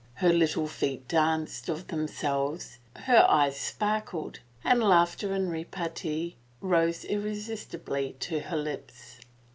Her little feet danced of themselves, her eyes sparkled, and laughter and repartee rose irresistibly to her lips.